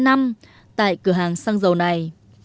tại cửa hàng xăng dầu này